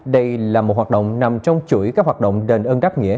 đây là một hoạt động nằm trong chuỗi các hoạt động đền ơn đáp nghĩa